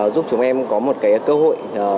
giúp chúng em có một cái cơ hội